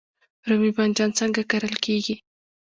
رومی بانجان څنګه کرل کیږي؟